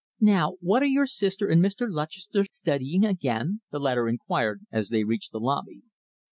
"Now what are your sister and Mr. Lutchester studying again?" the latter inquired, as they reached the lobby.